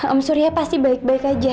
om surya pasti baik baik aja